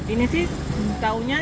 ini sih tahunya jauh